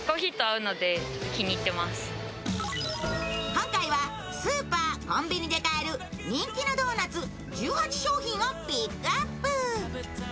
今回はスーパーコンビニで買える人気のドーナツ１８商品をピックアップ。